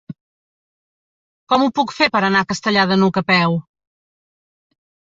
Com ho puc fer per anar a Castellar de n'Hug a peu?